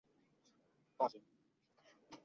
我最后的请求是牵着妳的手